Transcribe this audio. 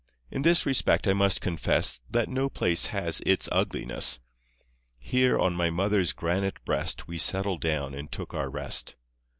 In this respect I must confess That no place has its ugliness. Here on my mother's granite breast We settled down and took our rest.